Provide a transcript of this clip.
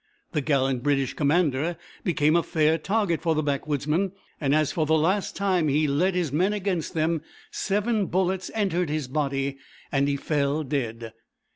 The gallant British commander became a fair target for the backwoodsmen, and as for the last time he led his men against them, seven bullets entered his body and he fell dead.